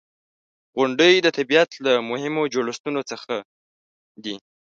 • غونډۍ د طبیعت له مهمو جوړښتونو څخه دي.